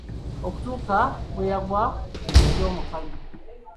Okutuuka bwe yagwa ku muti omukalu.